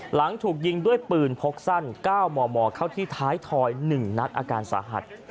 หลังถูกยิงด้วยปืนพกสั้น๙มมเข้าที่ท้ายทอย๑นัดอาการสาหัส